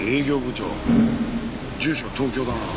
住所は東京だな。